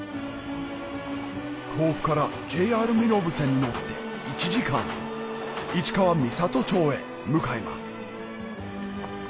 甲府からＪＲ身延線に乗って１時間市川三郷町へ向かいます